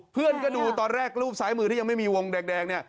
เพื่อนก็ดูตอนแรกรูปซ้ายมือที่ยังไม่มีวงแดงเนี่ย